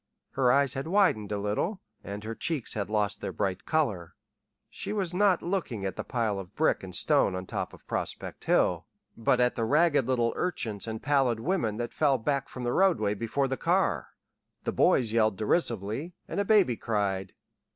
Her eyes had widened a little, and her cheeks had lost their bright color. She was not looking at the pile of brick and stone on top of Prospect Hill, but at the ragged little urchins and pallid women that fell back from the roadway before the car. The boys yelled derisively, and a baby cried.